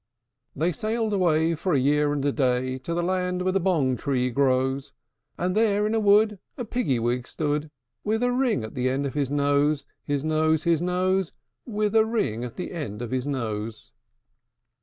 They sailed away, for a year and a day, To the land where the bong tree grows; And there in a wood a Piggy wig stood, With a ring at the end of his nose, His nose, His nose, With a ring at the end of his nose.